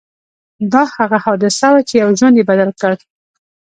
دا هغه حادثه وه چې يو ژوند يې بدل کړ.